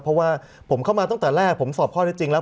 เพราะว่าผมเข้ามาตั้งแต่แรกผมสอบข้อได้จริงแล้ว